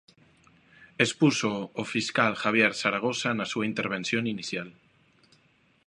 Expúxoo o fiscal Javier Zaragoza na súa intervención inicial.